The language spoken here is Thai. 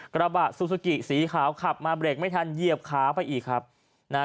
กระบะซูซูกิสีขาวขับมาเบรกไม่ทันเหยียบขาไปอีกครับนะฮะ